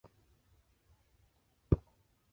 The audience are left for themselves for the conclusion.